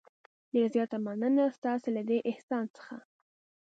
ډېره زیاته مننه ستاسې له دې احسان څخه.